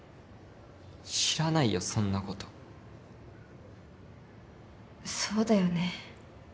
知らないよそんなことそうだよね